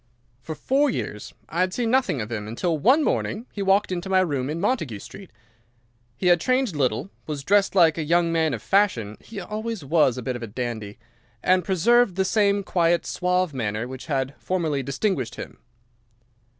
"For four years I had seen nothing of him until one morning he walked into my room in Montague Street. He had changed little, was dressed like a young man of fashion—he was always a bit of a dandy—and preserved the same quiet, suave manner which had formerly distinguished him.